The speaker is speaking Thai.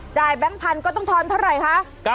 แบงค์พันธุ์ก็ต้องทอนเท่าไหร่คะ